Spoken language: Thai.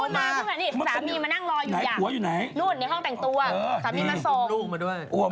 นี่สามีมานั่งรออยู่อย่างนู้นในห้องแต่งตัวสามีมาโทรง